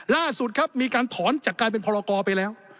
ล่าสุดครับมีการถอนจากการเป็นพรกรไปแล้ว